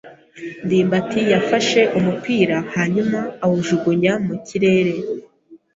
ndimbati yafashe umupira hanyuma awujugunya mu kirere.